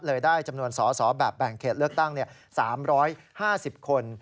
ได้จำนวนสอสอแบบแบ่งเขตเลือกตั้ง๓๕๐คน